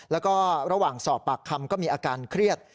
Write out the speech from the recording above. แล้วก็ระหว่างสอบปากคำก็มีอาการเครียด